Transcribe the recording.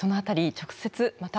直接また